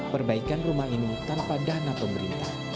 perbaikan rumah ini tanpa dana pemerintah